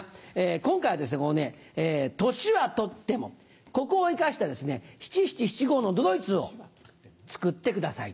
今回はこの「年はとっても」ここを生かした七・七・七・五の都々逸を作ってください。